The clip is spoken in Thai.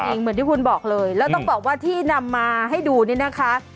เหมือนที่คุณบอกเลยแล้วต้องบอกว่าที่นำมาให้ดูนี่นะคะ